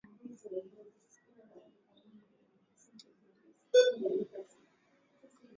Ripoti ya Baraza la Jumuiya ya Afrika Mashariki ambayo gazeti la Afrika Mashariki inaonyesha Uganda haijaridhishwa.